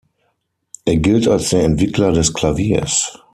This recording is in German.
Er gilt als der Entwickler des Klaviers.